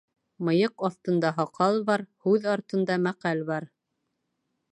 Мыйыҡ аҫтында һаҡал бар, һүҙ аҫтында мәҡәл бар.